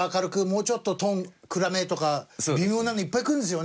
「もうちょっとトーン暗め」とか微妙なのいっぱいくるんですよね。